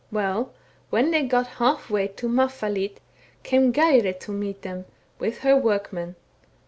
" Well, when they got half way to Mafvahli^, came Geirrid to meet them, with her workmen.